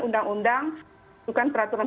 undang undang itu kan peraturan